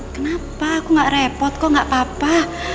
kenapa aku gak repot kok gak apa apa